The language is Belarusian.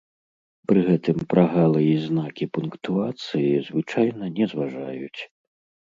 Пры гэтым прагалы і знакі пунктуацыі звычайна не зважаюць.